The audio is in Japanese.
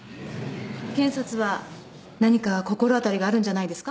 検察は何か心当たりがあるんじゃないですか。